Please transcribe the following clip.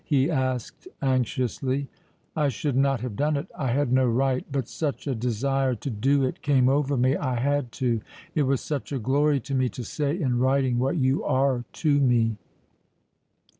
he asked anxiously. "I should not have done it; I had no right: but such a desire to do it came over me, I had to; it was such a glory to me to say in writing what you are to me."